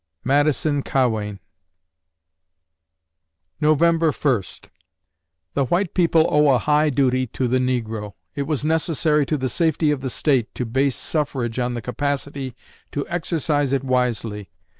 MADISON CAWEIN November First The white people owe a high duty to the negro. It was necessary to the safety of the State to base suffrage on the capacity to exercise it wisely.